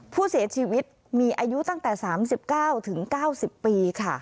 ผู้เสียชีวิตมีอายุตั้งแต่๓๙๙๐ปีค่ะ